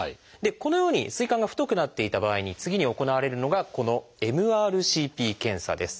このように膵管が太くなっていた場合に次に行われるのがこの「ＭＲＣＰ検査」です。